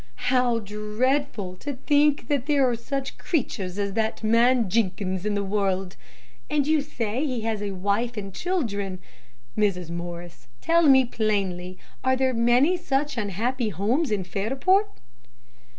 "How dreadful to think that there are such creatures as that man Jenkins in the world. And you say that he has a wife and children. Mrs. Morris, tell me plainly, are there many such unhappy homes in Fairport?"